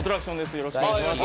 よろしくお願いします